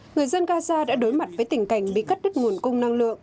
người dân gaza đã đối mặt với tình cảnh bị cắt đứt nguồn cung năng lượng